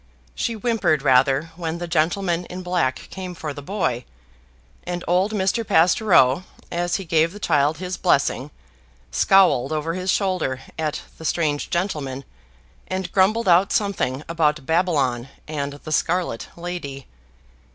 She whimpered rather when the gentleman in black came for the boy; and old Mr. Pastoureau, as he gave the child his blessing, scowled over his shoulder at the strange gentleman, and grumbled out something about Babylon and the scarlet lady.